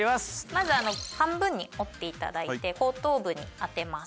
「まず半分に折っていただいて後頭部に当てます」